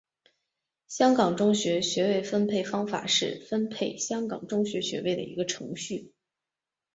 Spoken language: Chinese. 香港中学学位分配办法是分配香港中学学位的一个程序。